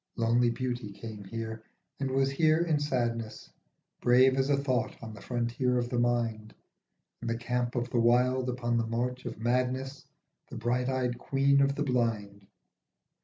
Lonely Beauty came here and was here in sadness, Brave as a thought on the frontier of the mind, 40 In the camp of the wild upon the march of madness, The bright eyed Queen of the blind.